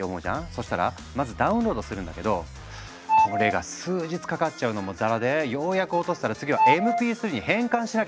そしたらまずダウンロードするんだけどこれが数日かかっちゃうのもざらでようやく落とせたら次はＭＰ３に変換しなきゃならなかったんだ。